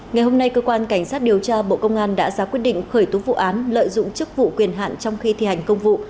ngày hôm nay cơ quan cảnh sát điều tra bộ công an đã ra quyết định khởi tố vụ án lợi dụng chức vụ quyền hạn trong khi thi hành công vụ